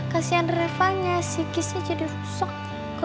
kasian dari rafa nya si kiss nya jadi rusak